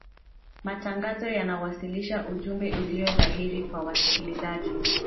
matangazo yanawasilisha ujumbe uliyo dhahiri kwa wasikilizaji